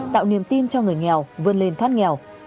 tạo niềm tin cho người nghèo vươn lên thoát nghèo